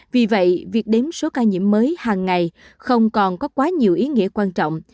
vì vậy việc đếm số ca nhiễm mới hàng ngày không còn có quá nhiều ý nghĩa quan trọng